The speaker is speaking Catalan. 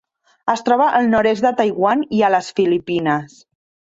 Es troba al nord-est de Taiwan i a les Filipines.